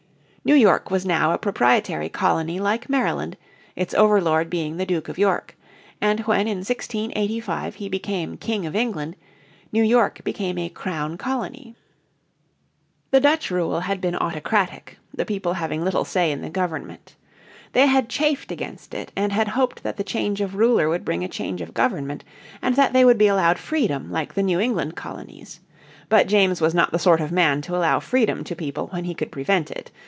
New York was now a proprietary colony like Maryland, its overlord being the Duke of York, and when in 1685 he became King of England New York became a Crown Colony. The Dutch rule had been autocratic, the people having little say in the government. They had chafed against it and had hoped that the change of ruler would bring a change of government, and that they would be allowed freedom like the New England Colonies. But James was not the sort of man to allow freedom to people when he could prevent it.